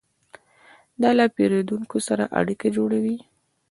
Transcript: دا له پیرودونکو سره اړیکه جوړوي.